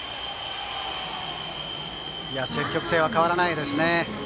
積極性は変わらないですね。